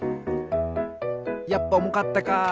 やっぱおもかったか。